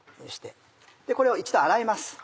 これを一度洗います。